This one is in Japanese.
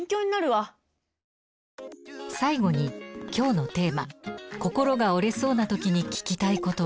最後に今日のテーマ「心が折れそうなときに聞きたい言葉」。